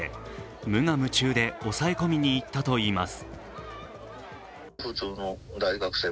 無我夢中で抑え込みにいったといいます。